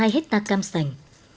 hai hecta cam sành